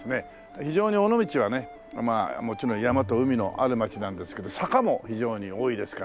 非常に尾道はねもちろん山と海のある街なんですけど坂も非常に多いですからね。